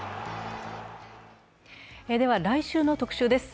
来週の特集です。